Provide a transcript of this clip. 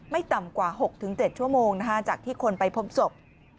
ไม่ต่ำกว่า๖๗ชั่วโมงจากที่คนไปพบศพ